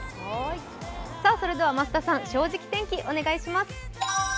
増田さん、「正直天気」お願いします。